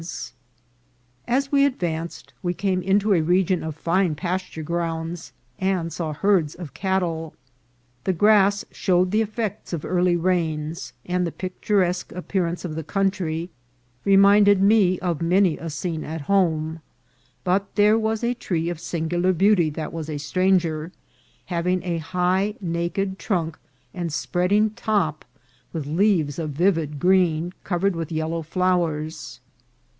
As we advanced we came into a region of fine pas ture grounds, and saw herds of cattle. The grass show ed the effect of early rains, and the picturesque appear ance of the country reminded me of many a scene at home ; but there was a tree of singular beauty that was a stranger, having a high, naked trunk and spreading top, with leaves of vivid green, covered with yellow flowers.